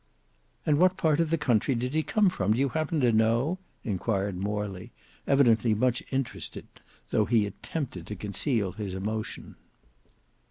"And what part of the country did he come from: do you happen to know?" inquired Morley, evidently much interested, though he attempted to conceal his emotion.